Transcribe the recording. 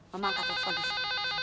mama akan telfon dulu